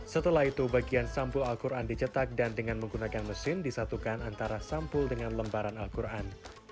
setelah itu bagian sampul al quran dicetak dan dengan menggunakan mesin disatukan antara sampul dengan lembaran al quran